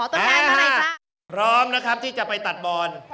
พร้อมนะครับ